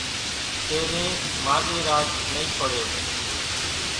تيرين ماڳين راچ نئي پڙي